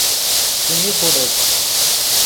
څیمی خوڑیت